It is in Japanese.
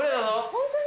ホントに。